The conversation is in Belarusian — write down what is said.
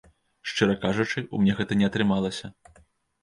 Шчыра кажучы, у мне гэта не атрымалася.